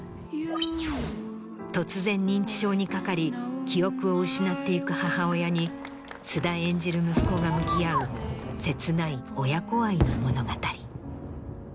突然認知症にかかり記憶を失っていく母親に菅田演じる息子が向き合う切ない親子愛の物語。